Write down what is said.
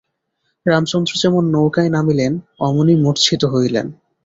রামচন্দ্র যেমন নৌকায় নামিলেন অমনি মূর্চ্ছিত হইলেন।